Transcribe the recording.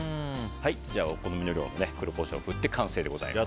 お好みの量の黒コショウを振って完成です。